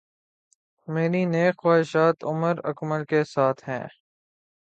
میری نیک خواہشات عمر اکمل کے ساتھ ہیں